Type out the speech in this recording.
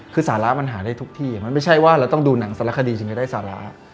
คือสาระมันหาได้ทุกที่มันไม่ใช่ว่าเราต้องดูหนังสารคดีถึงจะได้สาระ